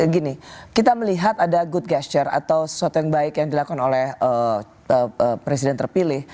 gini kita melihat ada good gesture atau sesuatu yang baik yang dilakukan oleh presiden terpilih